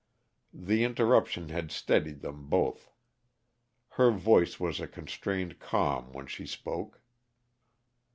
The interruption had steadied them both. Her voice was a constrained calm when she spoke.